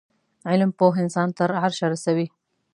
علم پوه انسان تر عرشه رسوی